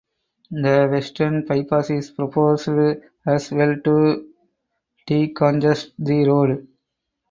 The Western bypass is proposed as well to decongest the road.